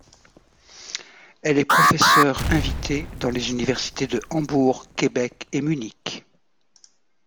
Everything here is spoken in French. Elle est professeure invitée dans les universités de Hambourg, Québec et Munich.